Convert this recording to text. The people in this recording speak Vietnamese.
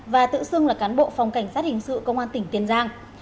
và tự xưng là cán bộ phòng cảnh sát hình sự công an tỉnh tiền giang